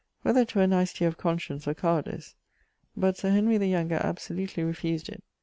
Whether 'twere nicety of conscience or cowardice, but Sir Henry the younger absolutely refused it.